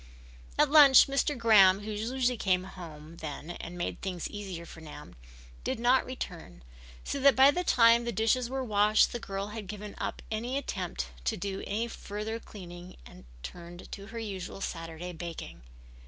At lunch Mr. Graham, who usually came home then and made things easier for Nan, did not return, so that by the time the dishes were washed the girl had given up the attempt to do any further cleaning and turned to her usual Saturday baking.